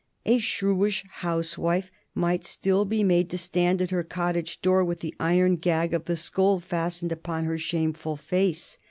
A shrewish housewife might still be made to stand at her cottage door with the iron gag of the scold fastened upon her shameful face.